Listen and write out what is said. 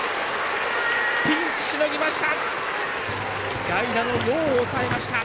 ピンチをしのぎました！